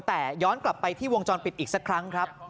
แต่ย้อนกลับไปที่วงจรปิดอีกสักครั้งครับ